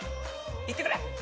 いってくれ。